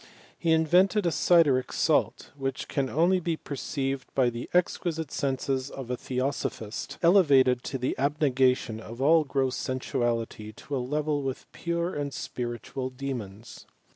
He invented a sideric salty which can only be perceived by the exqnisite senses of a theosophist, elevated by the abnegation of all gross sensuality to a level with pure and spiritual demons.